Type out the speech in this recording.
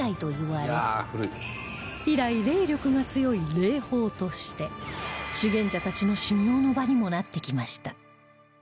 以来霊力が強い霊峰として修験者たちの修行の場にもなってきました